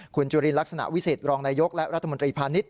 คุณจุฬิลลักษณะวิสิทธิ์รองนายกรัฐมนตรีพาณิชย์